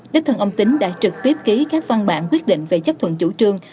đức thân ông tín đã trực tiếp ký các văn bản quyết định về chấp thuận chủ trương